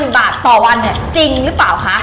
๕๐๐๐๐บาทต่อวันเนี่ยจริงรึเปล่าค่ะ